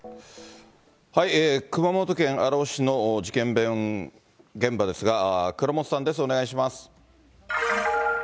熊本県荒尾市の事件現場ですが、倉本さんです、お願いします。